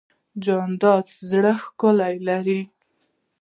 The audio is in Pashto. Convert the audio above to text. جانداد د زړه ښکلا لري.